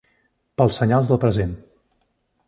Pels senyals del present.